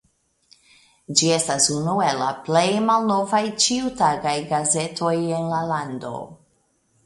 Ĝi estas unu el la plej malnovaj ĉiutagaj gazetoj en la lando.